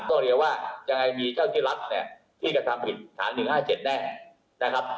ต้องเรียกว่ายังไงมีเจ้าที่รัฐเนี่ยที่กระทำผิดฐาน๑๕๗แน่นะครับ